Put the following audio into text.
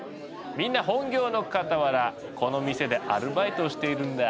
みんな本業のかたわらこの店でアルバイトをしているんだ。